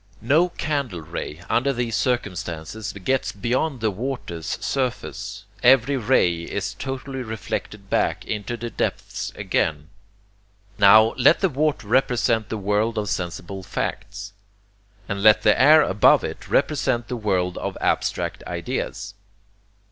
No candle ray, under these circumstances gets beyond the water's surface: every ray is totally reflected back into the depths again. Now let the water represent the world of sensible facts, and let the air above it represent the world of abstract ideas.